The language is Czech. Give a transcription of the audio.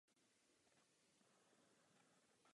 Existuje tedy velký důvod k obavám.